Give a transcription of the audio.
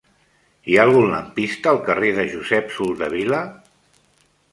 Hi ha algun lampista al carrer de Josep Soldevila?